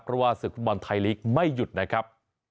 เพราะว่าศึกฟุตบอลไทยลีกไม่หยุดนะครับ